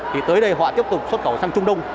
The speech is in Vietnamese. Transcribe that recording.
thì tới đây họ tiếp tục xuất khẩu sang trung đông